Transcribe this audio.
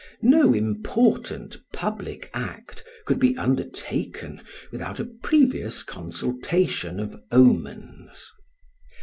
No important public act could be undertaken without a previous consultation of omens.